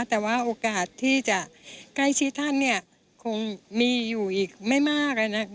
แต่ว่าโอกาสที่จะใกล้ชิดท่านเนี่ยคงมีอยู่อีกไม่มาก